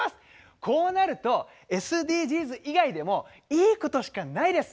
こうなるとＳＤＧｓ以外でもいいことしかないです。